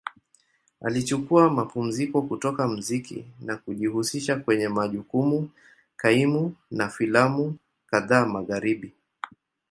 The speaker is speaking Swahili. Alichukua mapumziko kutoka muziki na kujihusisha kwenye majukumu kaimu na filamu kadhaa Magharibi.